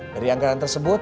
dari anggaran tersebut